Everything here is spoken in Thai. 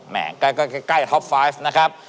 แก้ท็อป๕นะครับ